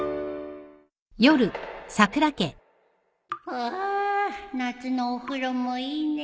ハァ夏のお風呂もいいねえ。